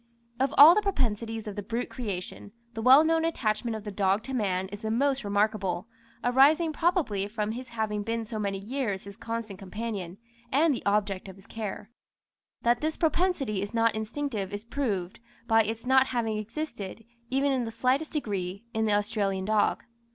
Of all the propensities of the brute creation, the well known attachment of the dog to man is the most remarkable, arising probably from his having been for so many years his constant companion, and the object of his care. That this propensity is not instinctive is proved, by its not having existed, even in the slightest degree, in the Australian dog.